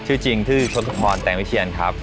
ชื่อจริงชื่อชตุพรแต่งวิเชียนครับ